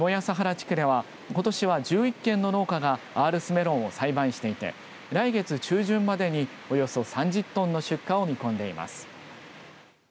地区ではことしは１１軒の農家がアールスメロンを栽培していて来月中旬までにおよそ３０トンの出荷を見込んでいます。